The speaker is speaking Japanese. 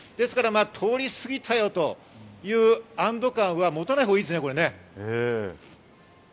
通り過ぎたよという安堵感は持たないほうがいいですね。